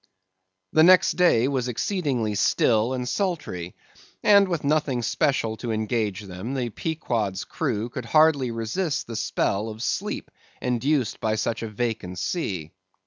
The next day was exceedingly still and sultry, and with nothing special to engage them, the Pequod's crew could hardly resist the spell of sleep induced by such a vacant sea.